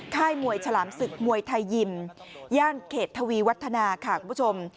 ค่ายมวยฉลามศึกมวยไทยยิมย่านเขตทวีวัฒนาค่ะคุณผู้ชม